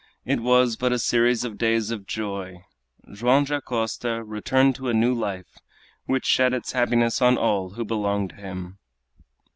It was but a series of days of joy. Joam Dacosta returned to a new life, which shed its happiness on all who belonged to him.